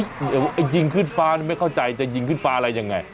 ไอ้ยิงขึ้นฟ้านี่ไม่เข้าใจจะยิงขึ้นฟ้าอะไรยังไง